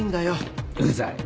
うざい。